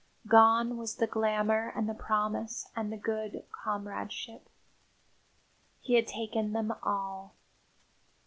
Gone was the glamour and the promise and the good comradeship. He had taken them all.